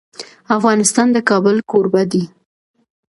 افغانستان د کابل کوربه دی.